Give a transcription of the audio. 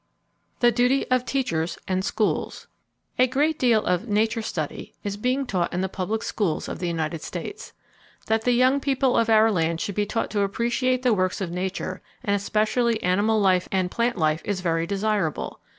The Duty Of Teachers And Schools. —A great deal of "nature study" is being taught in the public schools of the United States. That the young people of our land should be taught to appreciate the works of nature, and especially animal life and plant life, is very desirable.